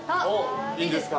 ・いいですか？